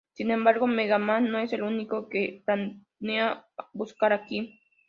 Sin embargo, Mega Man no es el único que planea buscar a King.